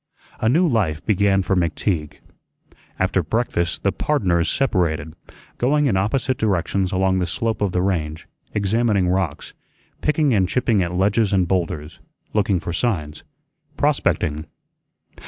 A new life began for McTeague. After breakfast the "pardners" separated, going in opposite directions along the slope of the range, examining rocks, picking and chipping at ledges and bowlders, looking for signs, prospecting.